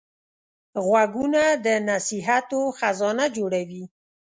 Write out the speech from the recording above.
غوږونه د نصیحتو خزانه جوړوي